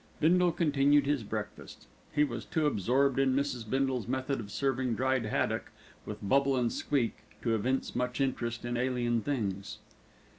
Bindle continued his breakfast. He was too absorbed in Mrs. Bindle's method of serving dried haddock with bubble and squeak to evince much interest in alien things.